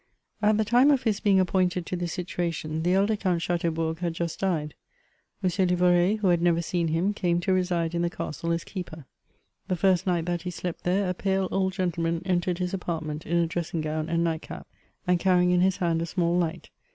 At the time of his being appointed to this situation, the elder Count Chateaubourg had just died ; M. Livoret, who had never sedn him, came to reside in the castle as keeper. The first night that he slept there, a pale old gentleman entered his apartment in a dressing gown and night cap, and carrying in his hand a small light.